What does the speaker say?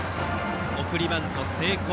送りバント成功。